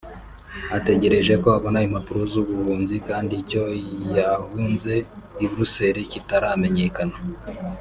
ategereje ko abona impapuro z’ubuhunzi kandi icyo yahunze I Bruxelles kitaramenyakana